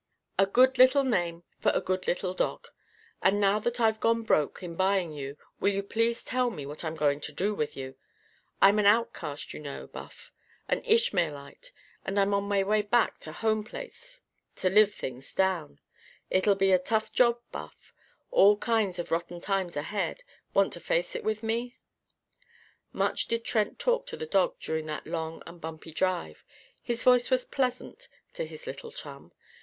A good little name for a good little dog. And now that I've gone broke, in buying you, will you please tell me what I'm going to do with you? I'm an outcast, you know, Buff. An Ishmaelite. And I'm on my way back to my home place to live things down. It'll be a tough job, Buff. All kinds of rotten times ahead. Want to face it with me?" Much did Trent talk to the dog during that long and bumpy drive. His voice was pleasant, to his little chum.